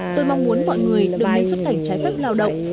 tôi mong muốn mọi người đừng nên xuất cảnh trái phép lao động